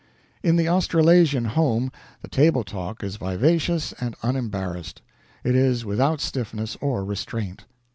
In the Australasian home the table talk is vivacious and unembarrassed; it is without stiffness or restraint.